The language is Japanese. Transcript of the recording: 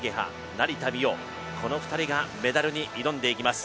成田実生、この２人がメダルに挑んでいきます。